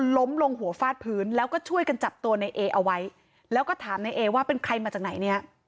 ล้มลงหัวฟาดพื้นแล้วก็ช่วยกันจับตัวในเอเอาไว้แล้วก็ถามในเอว่าเป็นใครมาจากไหนเนี่ย